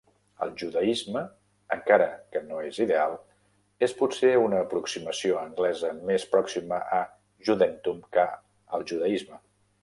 El judaisme, encara que no és ideal, és potser una aproximació anglesa més pròxima a "Judentum" que al "judaisme".